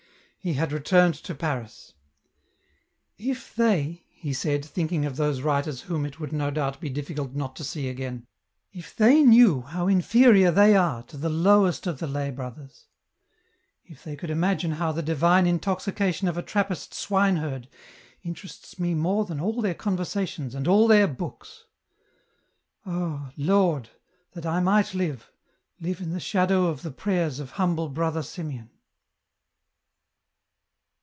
He had returned to Paris. '* If they," he said, thinking of those writers whom it would no doubt be difficult not to see again, "if they knew how inferior they are to the lowest of the lay brothers ! if they could imagine how the divine intoxication of a Trappist swine herd interests me more than all their conversations and all their books ! Ah ! Lord, that I might live, live in the shadow of the prayers of humble Brother Simeon